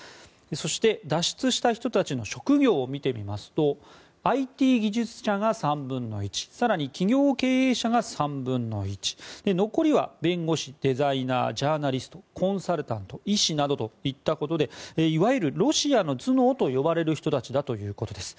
そして脱出した人たちの職業を見てみますとＩＴ技術者が３分の１更に企業経営者が３分の１残りは弁護士、デザイナージャーナリスト、コンサルタント医師などといったところでいわゆるロシアの頭脳といわれる人たちだということです。